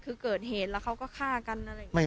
คือเกิดเหตุแล้วเขาก็ฆ่ากันอะไรอย่างนี้